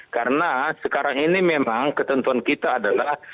karena sekarang ini memang ketentuan kita adalah